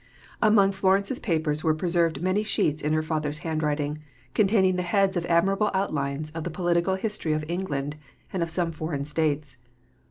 Among Florence's papers were preserved many sheets in her father's handwriting, containing the heads of admirable outlines of the political history of England and of some foreign states.